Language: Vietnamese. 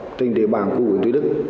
với tỉnh địa bàn của quyền tư đức